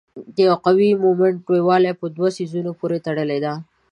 د قوې د مومنټ لویوالی په دوو څیزونو پورې تړلی دی.